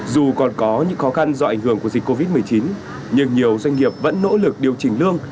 dù còn có những khó khăn do ảnh hưởng của dịch covid một mươi chín nhưng nhiều doanh nghiệp vẫn nỗ lực điều chỉnh lương